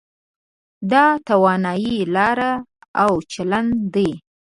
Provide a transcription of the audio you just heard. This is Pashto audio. دا تاواني لاره او چلن دی.